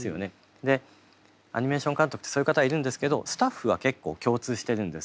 でアニメーション監督ってそういう方がいるんですけどスタッフは結構共通してるんです。